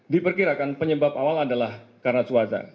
diperkirakan penyebab awal adalah karena cuaca